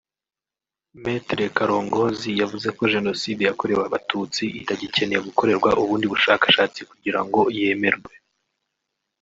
Me Karongozi yavuze ko Jenoside yakorewe Abatutsi itagikeneye gukorerwa ubundi bushakashatsi kugira ngo yemerwe